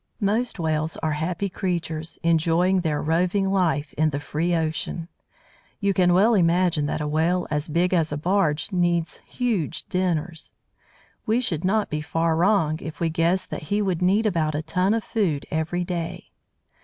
Most Whales are happy creatures, enjoying their roving life in the free ocean. You can well imagine that a Whale as big as a barge needs huge dinners. We should not be far wrong if we guessed that he would need about a ton of food every day.